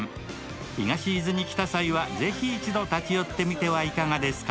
東伊豆に来た際はぜひ一度立ち寄ってみてはいかがですか？